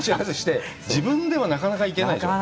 自分ではなかなか行けないでしょう？